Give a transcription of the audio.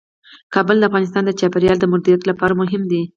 کابل د افغانستان د چاپیریال د مدیریت لپاره مهم دي.